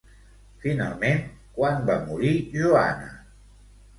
Finalment quan va morir Joana?